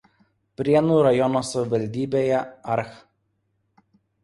Prienų rajono savivaldybėje arch.